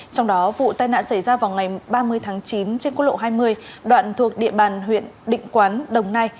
trong đó vụ tai nạn xảy ra vào ngày ba mươi tháng chín trên quốc lộ hai mươi đoạn thuộc địa bàn huyện định quán đồng nai